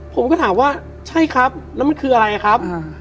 ผมก็ถามว่าใช่ครับแล้วมันคืออะไรครับ